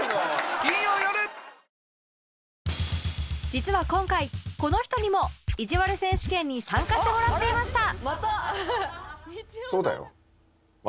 実は今回この人にもいじわる選手権に参加してもらっていました